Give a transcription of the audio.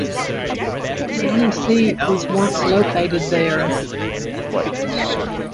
The county seat was once located there.